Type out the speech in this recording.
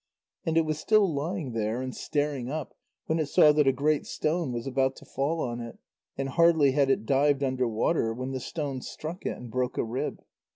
And it was still lying there and staring up, when it saw that a great stone was about to fall on it, and hardly had it dived under water when the stone struck it, and broke a rib.